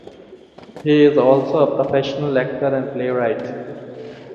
He is also a professional actor and playwright.